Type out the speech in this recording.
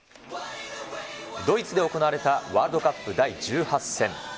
ドイツで行われたワールドカップ第１８戦。